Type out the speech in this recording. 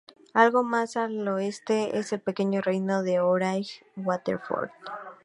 Algo más al oeste, en el pequeño reino de Osraige, Waterford.